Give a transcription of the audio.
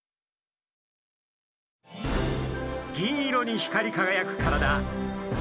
銀色に光りかがやく体。